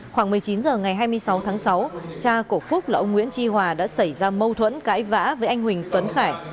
khoảng một mươi chín h ngày hai mươi sáu tháng sáu cha của phúc là ông nguyễn tri hòa đã xảy ra mâu thuẫn cãi vã với anh huỳnh tuấn khải